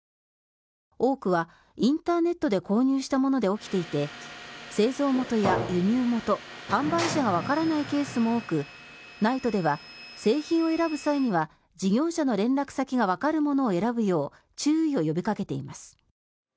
多くはインターネットで購入したもので起きていて製造元や輸入元販売者がわからないケースも多くＮＩＴＥでは製品を選ぶ際には事業者の連絡先がわかるものを選ぶよう注意を呼びかけています。